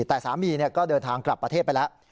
แต่สามีก็เดินทางกลับประเทศไปแล้ว